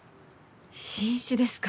新種ですか？